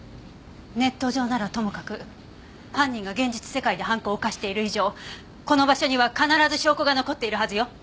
ネット上ならともかく犯人が現実世界で犯行を犯している以上この場所には必ず証拠が残っているはずよ。